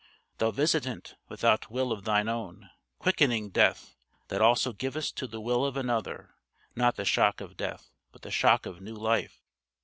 Thou visitant without will of thine own! Quickening Death, that also givest to the will of another not the shock of death, but the shock of new life!